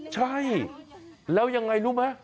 ใช่แล้วยังไงรู้ไหม